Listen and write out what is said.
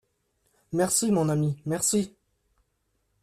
Merci, mon ami, merci !…